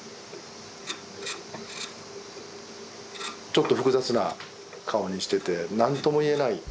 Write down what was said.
ちょっと複雑な顔にしててなんとも言えない